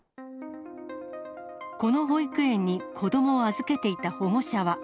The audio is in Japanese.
この保育園に子どもを預けていた保護者は。